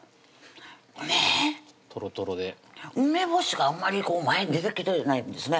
ねっとろとろで梅干しがあんまり前に出てきてないんですね